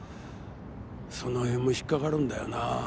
その辺も引っかかるんだよな。